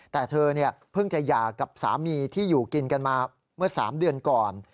แต่เธอเพิ่งจะหย่ากับสามีที่อยู่กินกันมาเมื่อ๓เดือนก่อน